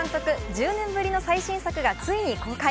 １０年ぶりの最新作がついに公開。